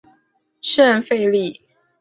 圣费利。